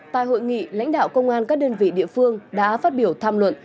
tại hội nghị lãnh đạo công an các đơn vị địa phương đã phát biểu tham luận